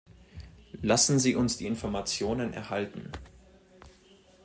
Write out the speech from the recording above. Lassen Sie uns die Informationen erhalten.